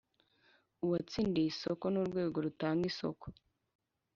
Uwatsindiye isoko n urwego rutanga isoko